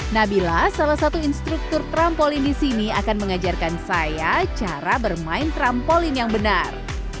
nabila salah satu instruktur trampolin di sini akan mengajarkan saya cara bermain trampolin yang benar